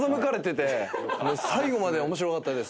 最後まで面白かったです。